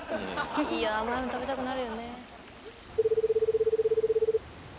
いや甘いの食べたくなるよねえ。